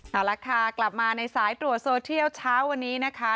เอาละค่ะกลับมาในสายตรวจโซเทียลเช้าวันนี้นะคะ